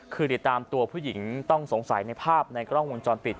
คือติดตามตัวผู้หญิงต้องสงสัยในภาพในกล้องวงจรปิด